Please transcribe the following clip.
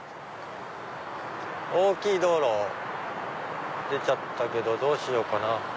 大きい道路出ちゃったけどどうしようかな。